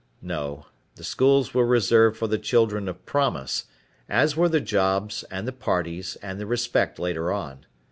No, the schools were reserved for the children of promise, as were the jobs and the parties and the respect later on.